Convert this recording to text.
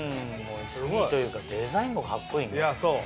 潔いというかデザインもカッコいいね。